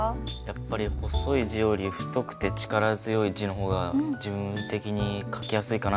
やっぱり細い字より太くて力強い字の方が自分的に書きやすいかなと思ったので。